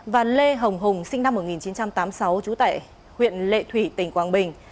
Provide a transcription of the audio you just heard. và lê hồng hùng sinh năm một nghìn chín trăm tám mươi sáu trú tại huyện lệ thủy tỉnh quảng bình